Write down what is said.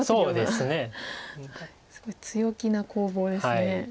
すごい強気な攻防ですね。